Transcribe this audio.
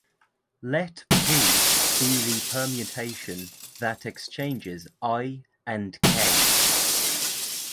Let "p" be the permutation that exchanges "i" and "k".